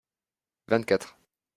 vingt quatre.